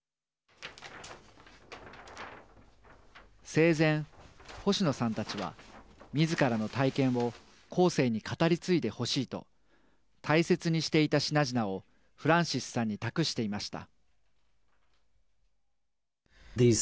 生前、星野さんたちはみずからの体験を後世に語り継いでほしいと大切にしていた品々をフランシスさんに託していました。